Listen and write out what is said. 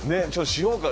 しようか。